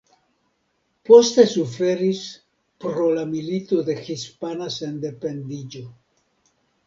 Poste suferis pro la Milito de Hispana Sendependiĝo.